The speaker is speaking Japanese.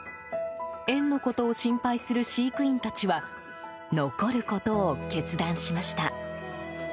園のことを心配する飼育員たちは残ることを決断しました。